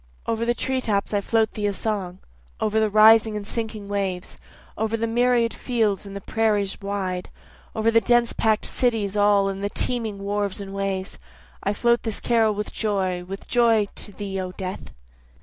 Over the tree tops I float thee a song, Over the rising and sinking waves, over the myriad fields and the prairies wide, Over the dense pack'd cities all and the teeming wharves and ways, I float this carol with joy, with joy to thee O death.